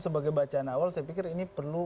sebagai bacaan awal saya pikir ini perlu